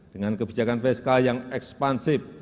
dengan kebijakan fiskal yang ekspansif